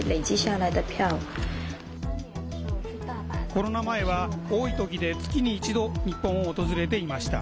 コロナ前は多いときで月に一度、日本を訪れていました。